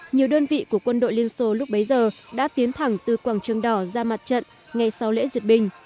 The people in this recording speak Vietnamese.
nhiều đơn vị của quân đội liên xô lúc bấy giờ đã tiến thẳng từ quảng trường đỏ ra mặt trận ngay sau lễ duyệt binh